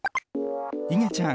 いげちゃん